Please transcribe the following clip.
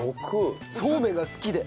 そうめんが好きで。